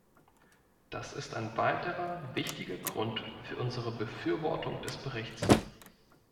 Das ist ein weiterer wichtiger Grund für unsere Befürwortung des Berichts.